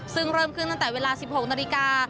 ซึ่งเริ่มขึ้นตั้งแต่เวลา๑๖นาฬิกา